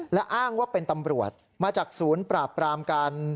และอ้างว่าเป็นตำรวจมาจากศูนย์ปราบปรามการ